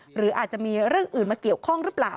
หรืออาจจะมีเรื่องอื่นมาเกี่ยวข้องหรือเปล่า